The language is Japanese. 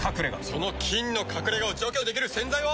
その菌の隠れ家を除去できる洗剤は。